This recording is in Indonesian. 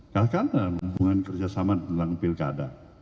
kalau kan dalam hubungan kerjasama dalam pilkada